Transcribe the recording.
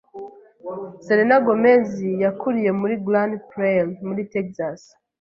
Selena Gomez yakuriye muri Grand Prairie, muri Texas.